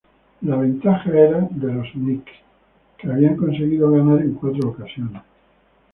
La ventaja era de los Knicks, que habían conseguido ganar en cuatro ocasiones.